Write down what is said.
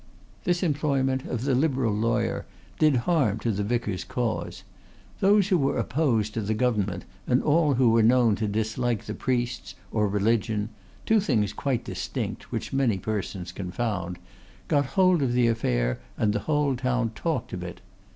This employment of the Liberal laywer did harm to the vicar's cause. Those who were opposed to the government, and all who were known to dislike the priests, or religion (two things quite distinct which many persons confound), got hold of the affair and the whole town talked of it.